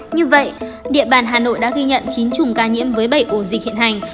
như vậy địa bàn hà nội đã ghi nhận chín chùm ca nhiễm với bảy ổ dịch hiện hành